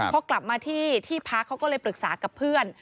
พอกลับมาที่ที่พักเขาก็เลยปรึกษากับเพื่อน